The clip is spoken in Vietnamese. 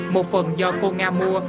một phần do cô nga mua